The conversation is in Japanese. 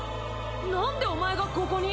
何でお前がここに！？